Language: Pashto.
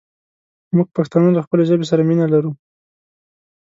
مونږ پښتانه له خپلې ژبې سره مينه لرو